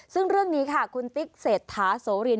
ซึ่งเรื่องนี้ค่ะคุณติ๊กเศรษฐาโสริน